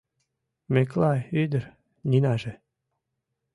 Миклай ӱдыр Нинаже